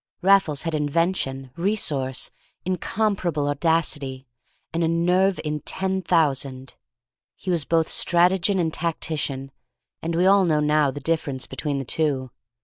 Raffles had invention, resource, incomparable audacity, and a nerve in ten thousand. He was both strategian and tactician, and we all now know the difference between the two.